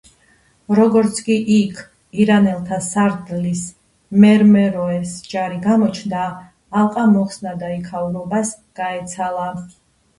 როგორც კი იქ ირანელთა სარდლის მერმეროეს ჯარი გამოჩნდა, ალყა მოხსნა და იქაურობას გაეცალა.